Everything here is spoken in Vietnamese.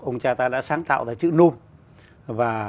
ông cha ta đã sáng tạo ra